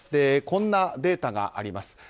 こんなデータがあります。